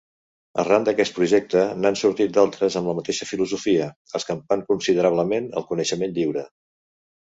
Arran d'aquest projecte n'han sortit d'altres amb la mateixa filosofia, escampant considerablement el coneixement lliure.